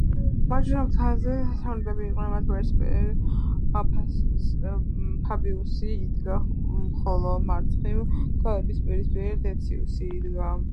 მარჯვენა ფრთაზე სამნიტები იყვნენ, მათ პირისპირ ფაბიუსი იდგა, ხოლო მარცხნივ გალების პირისპირ დეციუსი იდგა.